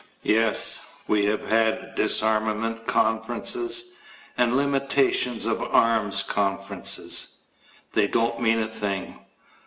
Yes, we have had disarmament conferences and limitations of arms conferences. They don't mean a thing.